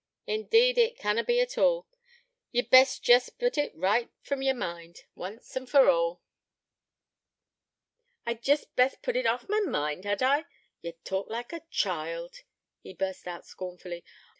Indeed it canna be at all. Ye'd best jest put it right from yer mind, once and for all.' 'I'd jest best put it off my mind, had I? Ye talk like a child!' he burst out scornfully.